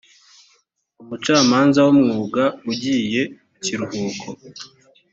umucamanza w umwuga ugiye mu kiruhuko